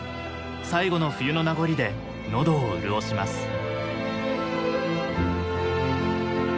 最後の冬の名残で喉を潤します。